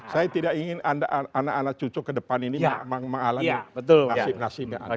saya tidak ingin anak anak cucu kedepan ini mengalami nasib nasibnya